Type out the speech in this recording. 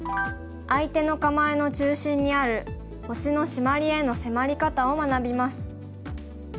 相手の構えの中心にある星のシマリへの迫り方を学びます。